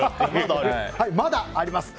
まだあります。